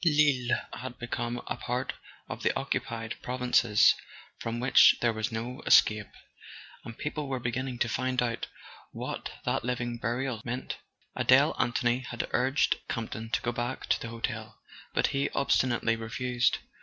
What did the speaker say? Lille had become a part of the "occupied prov¬ inces," from which there was no escape; and people were beginning to find out what that living burial meant. Adele Anthony had urged Campton to go back to the hotel, but he obstinately refused.